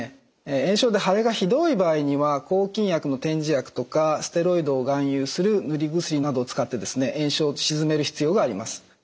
炎症で腫れがひどい場合には抗菌薬の点耳薬とかステロイドを含有する塗り薬などを使って炎症を鎮める必要があります。